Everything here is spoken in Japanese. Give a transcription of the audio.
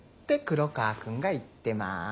黒川くんが言ってます。